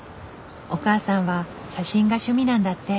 お母さんは写真が趣味なんだって。